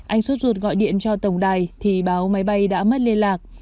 anh suốt ruột gọi điện cho tổng đài thì báo máy bay đã mất liên lạc